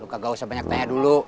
lu kagak usah banyak tanya dulu